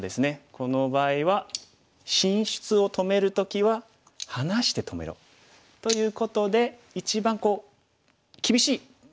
この場合は進出を止める時は離して止めろ。ということで一番厳しい止め方からちょっと離す。